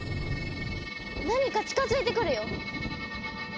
何か近づいてくるよ。